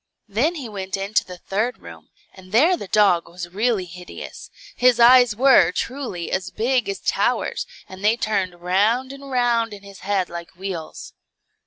Then he went into the third room, and there the dog was really hideous; his eyes were, truly, as big as towers, and they turned round and round in his head like wheels.